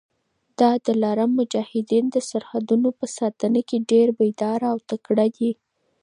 د دلارام مجاهدین د سرحدونو په ساتنه کي ډېر بېداره او تکړه دي.